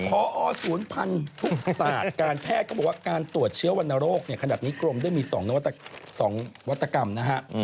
พอศูนย์พันธุ์ทุกศาสตร์การแพทย์เขาบอกว่าการตรวจเชื้อวรรณโรคเนี่ยขนาดนี้กรมได้มี๒วัตกรรมนะฮะ